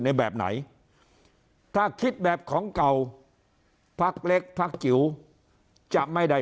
ในแบบไหนถ้าคิดแบบของเก่าพักเล็กพักจิ๋วจะไม่ได้